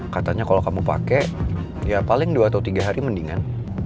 katanya kalau kamu pakai ya paling dua atau tiga hari mendingan